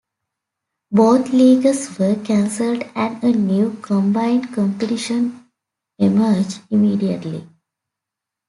Both leagues were cancelled and a new, combined competition emerged immediately.